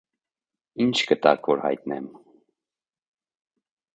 - Ի՞նչ կտաք, որ հայտնեմ: